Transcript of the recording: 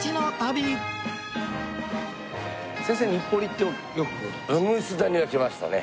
先生日暮里ってよく。